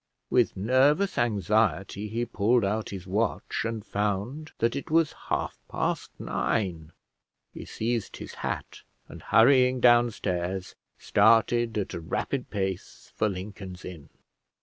With nervous anxiety he pulled out his watch, and found that it was half past nine. He seized his hat, and, hurrying downstairs, started at a rapid pace for Lincoln's Inn.